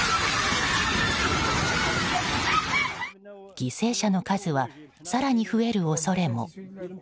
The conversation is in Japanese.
犠牲者の数は、更に増える恐れも。